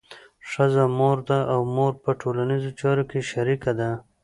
ښځه مور ده او مور په ټولنیزو چارو کې شریکه ده.